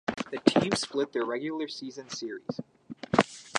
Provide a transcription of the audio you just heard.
The teams split their regular season series.